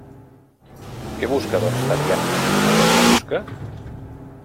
Que busca doncs Tatiana, aquesta fosca?